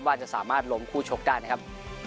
ว่าจะสามารถลงคู่โชคกันนะครับ